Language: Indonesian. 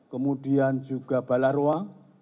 kemudian juga balarwa